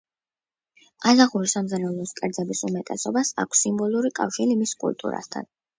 ყაზახური სამზარეულოს კერძების უმეტესობას აქვს სიმბოლური კავშირი მის კულტურასთან.